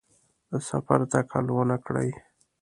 د سفر تکل ونکړي.